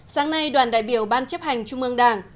sáng nay đoàn đại biểu ban chấp hành trung ương đảng